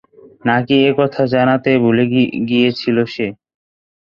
নাকি এ কথা জানাতে ভুলে গিয়েছিল সে?